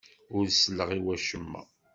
Ur selleɣ i wacemma.